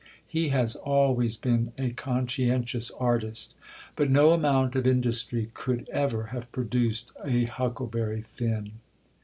He has always been a conscientious artist; but no amount of industry could ever have produced a Huckleberry Finn.